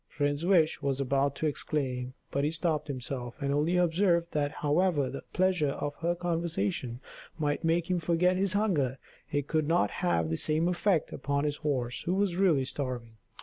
Prince Wish was about to exclaim, but he stopped himself, and only observed that however the pleasure of her conversation might make him forget his hunger, it could not have the same effect upon his horse, who was really starving.